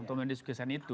untuk mendiskusikan itu